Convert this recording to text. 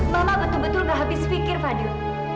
mama betul betul gak habis pikir fadil